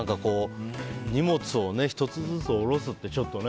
荷物を１つずつ下ろすってね。